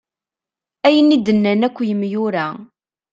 Ayen i d-nnan akk imyura.